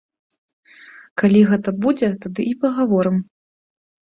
Калі гэта будзе, тады і пагаворым.